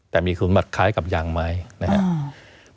แต่มีคุณมัดคล้ายกับยางไม้นะครับ